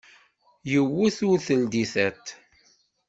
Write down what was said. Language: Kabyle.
Yiwet ur teldi tiṭ.